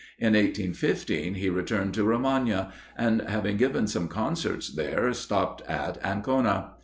In 1815 he returned to Romagna, and having given some concerts there, stopped at Ancona.